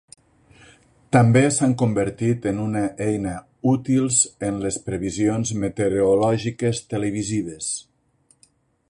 També s'han convertit en una eina útils en les previsions meteorològiques televisives.